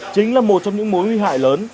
chính là một trong những mối nguy hại lớn